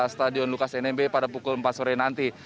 stadion lukas nmb pada pukul empat sore nanti